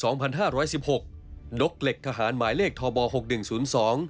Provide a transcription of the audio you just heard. นกเหล็กทหารหมายเลขทอบอร์๖๑๐๒